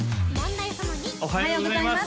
おはようございます